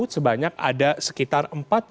sebanyak ada sekitar empat puluh empat